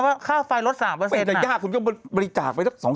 ว่าค่าไฟลดสามเปอร์เซ็นต์น่ะไม่จะยากคุณก็บริจาคไว้สอง